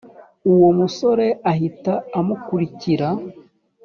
uwo musore ahita amukurikira